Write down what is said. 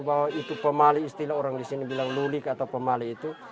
bahwa itu pemali istilah orang di sini bilang lulik atau pemali itu